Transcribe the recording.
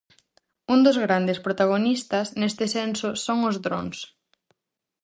Un dos grandes protagonistas, neste senso, son os drons.